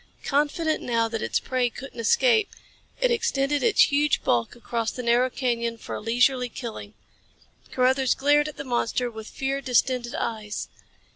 Confident now that its prey couldn't escape, it extended its huge bulk across the narrow canyon for a leisurely killing. Carruthers glared at the monster with fear distended eyes.